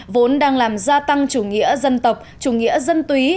vốn đang làm gia tăng chủ nghĩa dân tộc chủ nghĩa dân túy